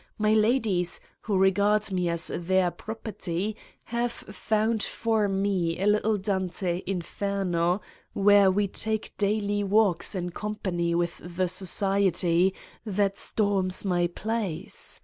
My ladies, who regard me as their property, have found for me a little Dante Inferno, where we take daily walks in company with the society that storms my place.